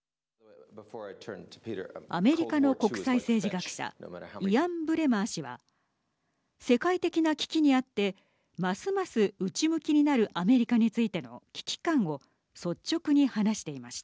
アメリカの国際政治学者イアン・ブレマー氏は世界的な危機にあってますます内向きになるアメリカについての危機感を率直に話していました。